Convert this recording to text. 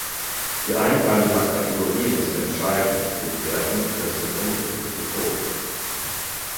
Die Einteilung nach Kategorien ist entscheidend für die Wertung für das Gepunktete Trikot.